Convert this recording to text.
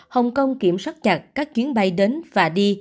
hồng kông kiểm soát chặt các chuyến bay đến và đi